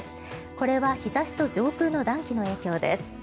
これは日差しと上空の暖気の影響です。